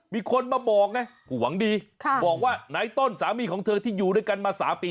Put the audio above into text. มีคนมาบอกไงผู้หวังดีบอกว่านายต้นสามีของเธอที่อยู่ด้วยกันมา๓ปี